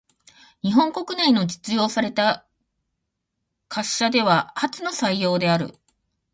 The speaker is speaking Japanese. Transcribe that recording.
日本国内で実用された貨車では初の採用である。